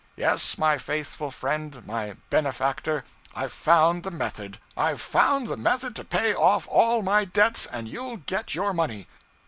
Yes, my faithful friend, my benefactor, I've found the method! I've found the method to pay off all my debts, and you'll get your money!'